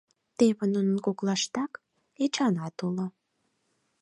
Теве нунын коклаштак Эчанат уло.